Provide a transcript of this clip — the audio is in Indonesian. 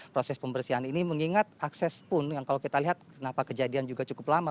proses pembersihan ini mengingat akses pun yang kalau kita lihat kenapa kejadian juga cukup lama